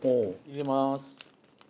入れます。